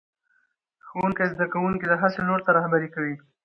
ښوونکی زده کوونکي د هڅې لور ته رهبري کوي